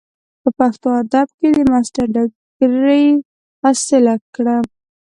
پۀ پښتو ادب کښې د ماسټر ډګري حاصله کړه ۔